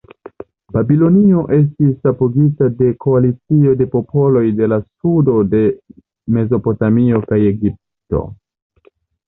Babilonio estis apogita de koalicio de popoloj de la sudo de Mezopotamio kaj Egipto.